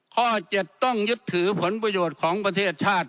ข้อ๗ต้องยึดถือผลประโยชน์ของประเทศชาติ